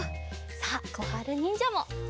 さあこはるにんじゃも。